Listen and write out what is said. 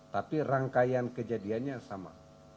tapi rangkaian kejadiannya sama